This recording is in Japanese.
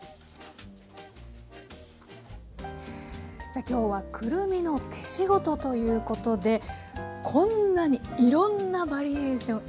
さあ今日は「くるみの手仕事」ということでこんなにいろんなバリエーション